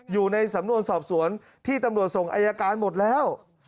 อยู่ในสำนวนสอบสวนที่ตำรวจส่งอายการหมดแล้ว